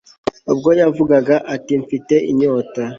ubwo yavugaga ati Mfite inyota